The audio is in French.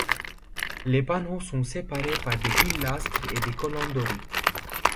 Les panneaux sont séparés par des pilastres et des colonnes doriques.